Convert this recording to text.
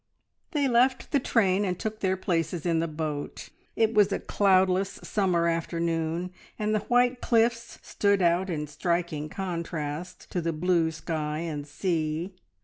They left the train and took their places in the boat. It was a cloudless summer afternoon, and the white cliffs stood out in striking contrast to the blue sky and sea.